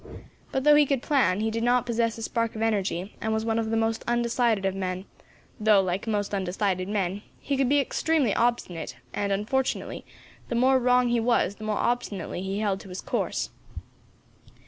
But though he could plan, he did not possess a spark of energy, and was one of the most undecided of men, though, like most undecided men, he could be extremely obstinate; and, unfortunately, the more wrong he was, the more obstinately he held to his course.